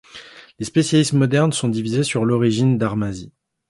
Les spécialistes modernes sont divisés sur l'origine d'Armazi.